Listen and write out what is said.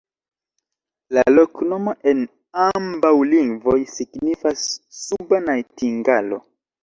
La loknomo en ambaŭ lingvoj signifas: suba najtingalo.